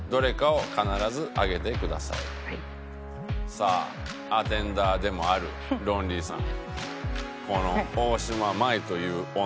さあアテンダーでもあるロンリーさん。